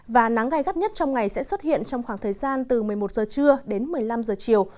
và nắng gai gắt nhất trong ngày sẽ xuất hiện trong khoảng thời gian từ một mươi một giờ trưa đến một mươi năm giờ chiều